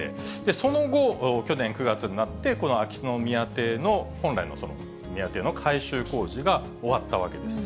その後、去年９月になって、この秋篠宮邸の本来の宮邸の改修工事が終わったわけです。